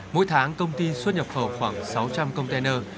mỗi tháng công ty xuất nhập khẩu khoảng sáu trăm linh container